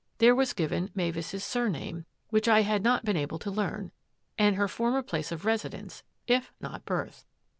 There was given Mavis' surname, which I had not been able to learn, and her former place of residence, if not birth.